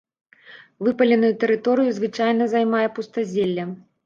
Выпаленую тэрыторыю звычайна займае пустазелле.